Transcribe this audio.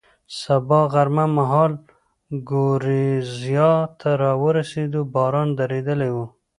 سبا غرمه مهال ګورېزیا ته را ورسېدو، باران درېدلی و.